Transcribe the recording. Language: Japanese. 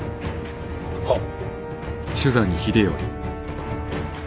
はっ。